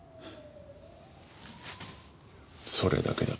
それだけだ。